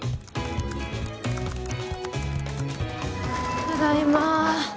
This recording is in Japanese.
ただいま。